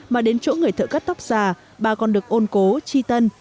mà đến chỗ người thợ cắt tóc già bà còn được ôn cố chi tân